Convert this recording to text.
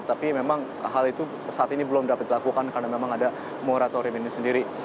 tapi memang hal itu saat ini belum dapat dilakukan karena memang ada moratorium ini sendiri